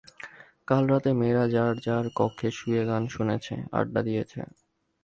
কাল রাতে মেয়েরা যার যার কক্ষে শুয়ে গান শুনেছে, আড্ডা দিয়েছে।